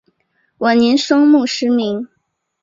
晚年双目失明。